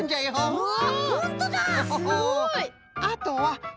うわ！